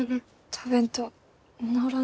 食べんと治らんで。